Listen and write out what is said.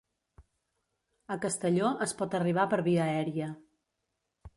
A Castelló es pot arribar per via aèria